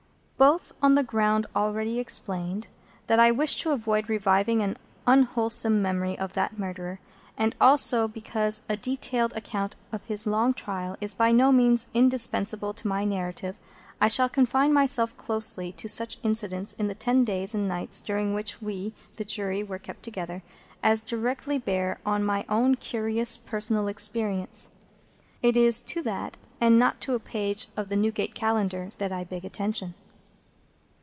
Both on the ground already explained, that I wish to avoid reviving the unwholesome memory of that Murderer, and also because a detailed account of his long trial is by no means indispensable to my narrative, I shall confine myself closely to such incidents in the ten days and nights during which we, the Jury, were kept together, as directly bear on my own curious personal experience. It is in that, and not in the Murderer, that I seek to interest my reader. It is to that, and not to a page of the Newgate Calendar, that I beg attention.